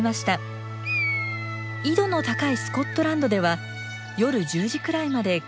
緯度の高いスコットランドでは夜１０時くらいまで暗くなりません。